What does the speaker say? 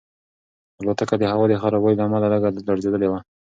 الوتکه د هوا د خرابوالي له امله لږه لړزېدلې وه.